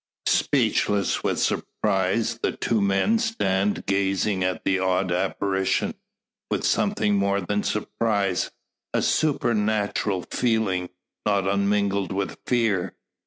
Speechless with surprise, the two men stand gazing at the odd apparition; with something more than surprise, a supernatural feeling, not unmingled with fear.